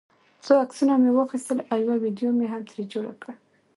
څو عکسونه مې واخیستل او یوه ویډیو مې هم ترې جوړه کړه.